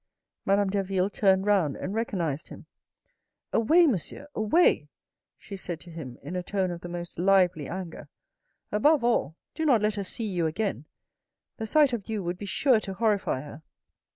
Madame Derville turned round and recognised him. " Away, monsieur, away !" she said to him, in a tone of the most lively anger. "Above all, do not let her see you again. The sight of you would be sure to horrify her.